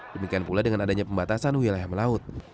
demikian pula dengan adanya pembatasan wilayah melaut